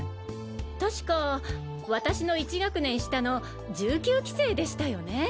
確か私の１学年下の１９期生でしたよね？